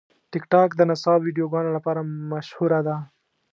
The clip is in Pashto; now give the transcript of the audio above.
ټیکټاک د نڅا ویډیوګانو لپاره مشهوره ده.